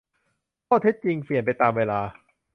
ข้อเท็จจริงเปลี่ยนไปตามเวลา